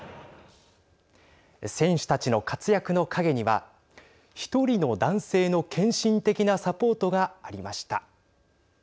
選手たちの活躍の陰には１人の男性の献身的なサポートがありました。